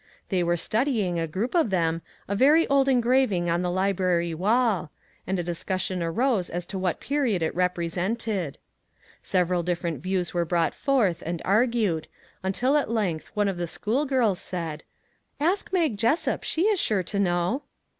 They were studying, a group of them, a very old engraving on the library wall, and a discus sion arose as to what period it represented. Several different views were brought forth and argued, until at length one of the school girls said :" Ask Mag Jessup ; she is sure to know."